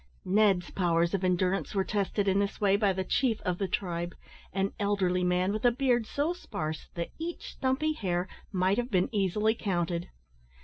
Ned's powers of endurance were tested in this way by the chief of the tribe, an elderly man with a beard so sparse that each stumpy hair might have been easily counted.